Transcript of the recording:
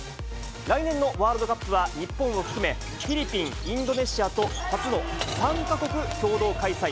来年のワールドカップは、日本を含め、フィリピン、インドネシアと初の３か国共同開催。